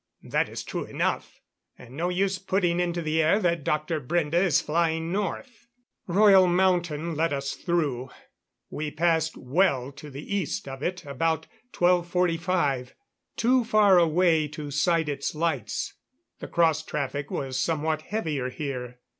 That is true enough, and no use putting into the air that Dr. Brende is flying north." Royal Mountain let us through. We passed well to the east of it about 12:45 too far away to sight its lights. The cross traffic was somewhat heavier here.